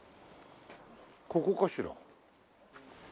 ここかしら？